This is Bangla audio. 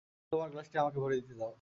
এখন, তোমার গ্লাসটি আমাকে ভরে দিতে দাও।